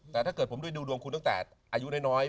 แต่ถ้าเกิดผมด้วยดูดวงคุณตั้งแต่อายุน้อย